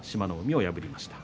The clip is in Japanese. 海を破りました。